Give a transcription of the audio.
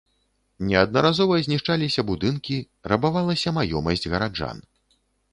Неаднаразова знішчаліся будынкі, рабавалася маёмасць гараджан.